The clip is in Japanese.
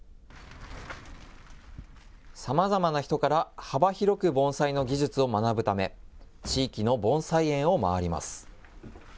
さまざまな人から幅広く盆栽の技術を学ぶため、地域の盆栽園を回ります。